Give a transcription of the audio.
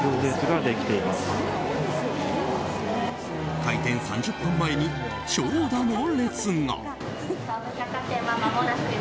開店３０分前に長蛇の列が。